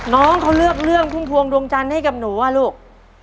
น้องเขาเลือกเรื่องพุ่มพวงดวงจันทร์ให้กับหนูว่าลูก